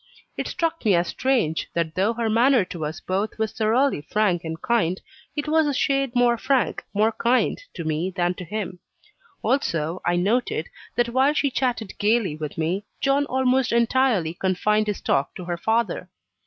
It struck me as strange, that though her manner to us both was thoroughly frank and kind, it was a shade more frank, more kind, to me than to him. Also, I noted, that while she chatted gaily with me, John almost entirely confined his talk to her father.